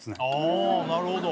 なるほど。